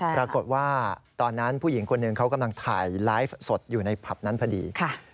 ปรากฏว่าตอนนั้นผู้หญิงคนหนึ่งเขากำลังถ่ายไลฟ์สดอยู่ในผับนั้นพอดี